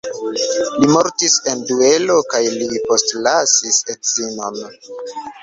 Li mortis en duelo kaj li postlasis edzinon.